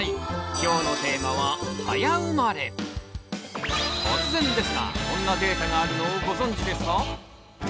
今日のテーマは突然ですがこんなデータがあるのをご存じですか？